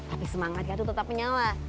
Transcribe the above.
tapi semangatnya tuh tetap menyala